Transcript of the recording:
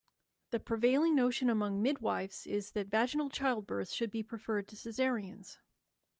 The prevailing notion among midwifes is that vaginal childbirths should be preferred to cesareans.